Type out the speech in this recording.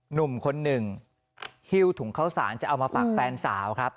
หนุ่มคนหนึ่งฮิ้วถุงข้าวสารจะเอามาฝากแฟนสาวครับ